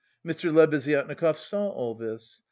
Mr. Lebeziatnikov saw all this.